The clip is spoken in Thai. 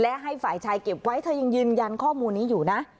และให้ฝ่ายชายเก็บไว้เธอยังยืนยันข้อมูลนี้อยู่นะ